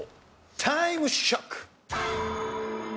タイムショック！